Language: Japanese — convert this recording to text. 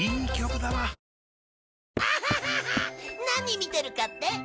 何見てるかって？